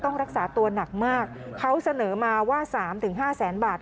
ต้องรักษาตัวหนักมากเขาเสนอมาว่าสามถึงห้าแสนบาท